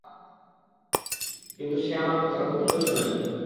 কিন্তু সে আমার কথা কখনোই শোনে না!